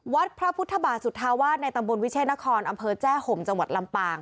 วัดพระพุทธบาทสุธาวาสในตำบลวิเชษนครอำเภอแจ้ห่มจังหวัดลำปาง